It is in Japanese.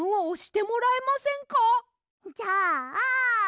じゃあ。